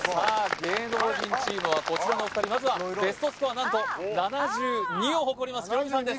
芸能人チームはこちらのお二人まずはベストスコア何と７２を誇りますヒロミさんです